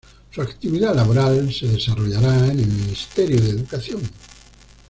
Su actividad laboral se desarrollará en el Ministerio de Educación.